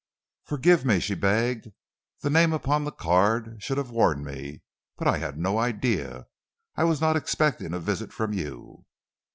"Forgive me," she begged. "The name upon the card should have warned me but I had no idea I was not expecting a visit from you."